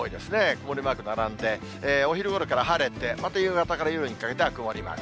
曇りマーク並んで、お昼ごろから晴れて、また夕方から夜にかけては曇りマーク。